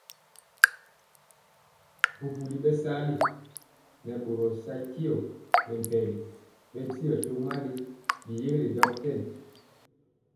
Bubuli bɛsala nɛ boro sa tyɛɔ mɛmpegi bɛndiɔ tomali biyeguelé dotytɛni.